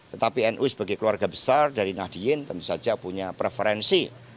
tetapi nu sebagai keluarga besar dari nahdien tentu saja punya preferensi